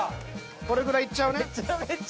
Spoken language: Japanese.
これぐらいいっちゃうね。